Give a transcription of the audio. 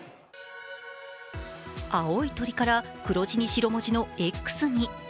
青い鳥から黒地に白文字のＸに。